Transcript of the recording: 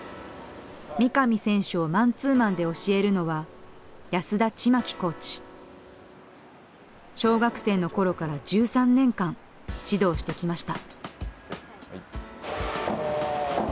三上選手をマンツーマンで教えるのは小学生の頃から１３年間指導してきました。